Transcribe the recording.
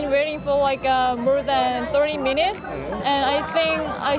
saya hanya bisa beli ini di sini